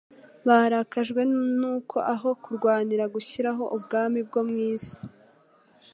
Barakajwe nuko aho kurwanira gushyiraho ubwami bwo mu isi;